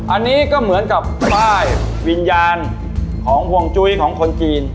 อันนี้ก็เหมือนกับป้ายวิญญาณของห่วงจุ้ยของคนจีน